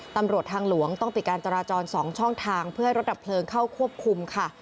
ตำรวจทางหลวงต้องปิดการจราจร๒ช่องทางเพื่อให้รถดับเพลิงเข้าควบคุมค่ะ